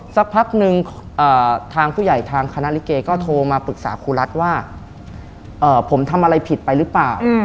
สักพักนึงทางผู้ใหญ่ทางคณะลิเกก็โทรมาปรึกษาครูรัฐว่าผมทำอะไรผิดไปหรือเปล่า